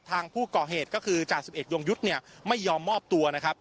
ทางผู้ก่อเหตุก็คือจ่าสิบเอกยงยุทธ์เนี่ยไม่ยอมมอบตัวนะครับ